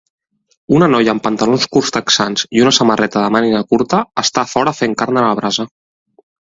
Una noia amb pantalons curts texans i una samarreta de màniga curta està a fora fent carn a la brasa.